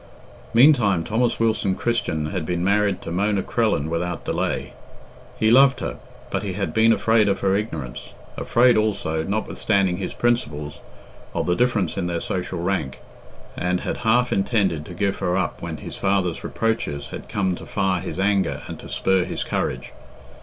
Meantime Thomas Wilson Christian had been married to Mona Crellin without delay. He loved her, but he had been afraid of her ignorance, afraid also (notwithstanding his principles) of the difference in their social rank, and had half intended to give her up when his father's reproaches had come to fire his anger and to spur his courage.